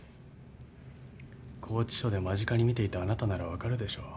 拘置所で間近に見ていたあなたなら分かるでしょう。